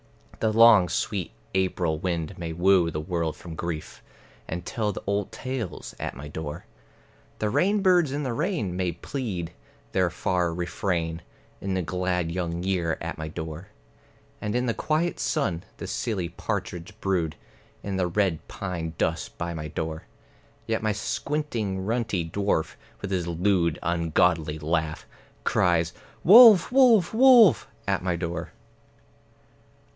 The long sweet April wind may woo the world from grief, And tell the old tales at my door; The rainbirds in the rain may plead their far refrain, In the glad young year at my door; And in the quiet sun, the silly partridge brood In the red pine dust by my door; Yet my squinting runty dwarf, with his lewd ungodly laugh, Cries "Wolf, wolf, wolf!" at my door.